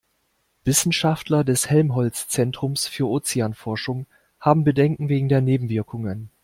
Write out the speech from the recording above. Wissenschaftler des Helmholtz-Zentrums für Ozeanforschung haben Bedenken wegen der Nebenwirkungen.